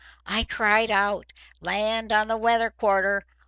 I cried out, 'Land on the weather quarter!